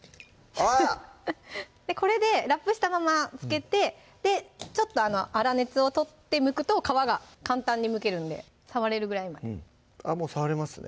これでラップしたままつけてちょっと粗熱を取ってむくと皮が簡単にむけるんで触れるぐらいまであっもう触れますね